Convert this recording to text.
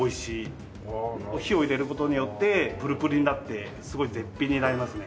火を入れる事によってプルプルになってすごい絶品になりますね。